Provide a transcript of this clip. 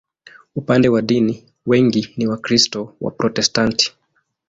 Upande wa dini, wengi ni Wakristo Waprotestanti.